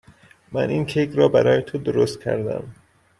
من این کیک را برای تو درست کردم.